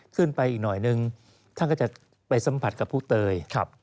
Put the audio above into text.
ขึ้นไปอีกหน่อยนึงท่านก็จะไปสัมผัสกับผู้เตย